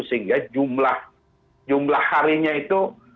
sehingga jumlah harinya itu